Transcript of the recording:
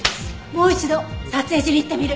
もう一度撮影所に行ってみる！